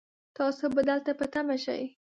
تاسو به دلته په تمه شئ